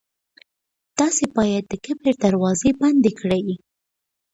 تاسي باید د کبر دروازې بندې کړئ.